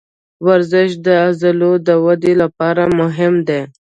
ورزش د عضلو د ودې لپاره مهم دی.